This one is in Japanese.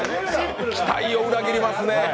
期待を裏切りますね。